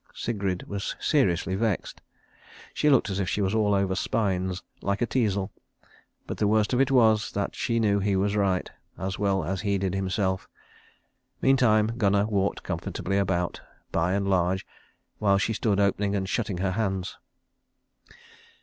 Sigrid was seriously vexed. She looked as if she was all over spines, like a teasel. But the worst of it was, that she knew he was right, as well as he did himself. Meantime Gunnar walked comfortably about, by and large, while she stood opening and shutting her hands.